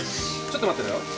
ちょっと待ってろよ。